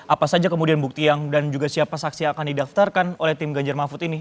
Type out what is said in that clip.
apa saja kemudian bukti yang dan juga siapa saksi yang akan didaftarkan oleh tim ganjar mahfud ini